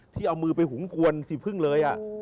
ที่เอามือหุมปวนสีเพิ่งเลย